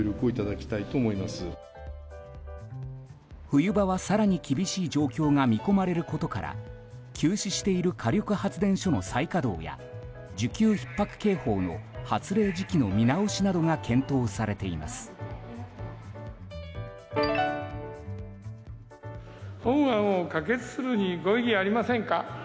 冬場は更に厳しい状況が見込まれることから休止している火力発電所の再稼働や需給ひっ迫警報の発令時期の見直しなどが検討されています。